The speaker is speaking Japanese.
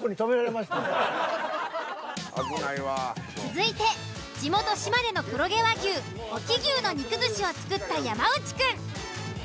続いて地元島根の黒毛和牛隠岐牛の肉寿司を作った山内くん。